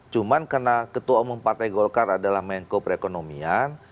cuma karena ketua umum partai golkar adalah mengko perekonomian